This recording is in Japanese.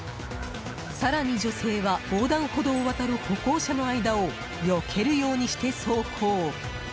更に女性は横断歩道を渡る歩行者の間をよけるようにして走行。